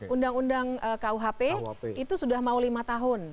undang undang kuhp itu sudah mau lima tahun